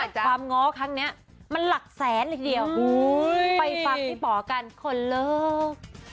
แต่ความง้อครั้งนี้มันหลักแสนเลยทีเดียวไปฟังพี่ป๋อกันคนเลิก